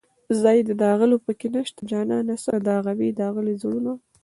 ځای د داغلو په کې نشته جانانه څله داغوې داغلي زړونه